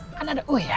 kan ada uya